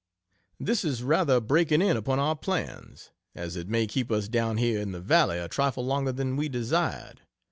This is rather breaking in upon our plans, as it may keep us down here in the valley a trifle longer than we desired.